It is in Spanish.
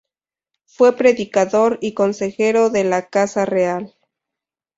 Fue predicador y consejero de la casa real.